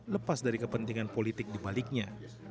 lepas dari kepentingan politik dibaliknya